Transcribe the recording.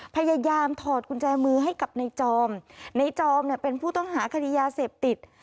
พยายามถอดกุญแจมือให้กับในจอมในจอมเนี่ยเป็นผู้ต้องหาคดียาเสพติด